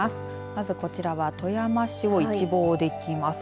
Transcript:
まずこちらは富山市を一望できます